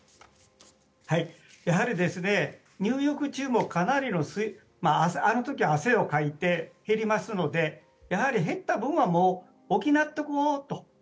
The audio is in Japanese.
やはり入浴中もかなりあの時は汗をかいて減りますので減った分は補っておこうと。